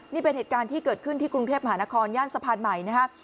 นี่เป็นเหตุการณ์ที่เกิดขึ้นที่กรุงเทพมหานครย่านสะพานใหม่นะครับ